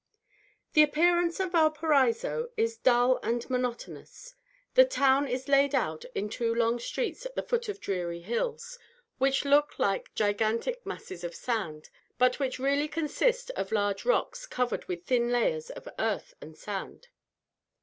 The appearance of Valparaiso is dull and monotonous. The town is laid out in two long streets at the foot of dreary hills, which look like gigantic masses of sand, but which really consist of large rocks covered with thin layers of earth and sand.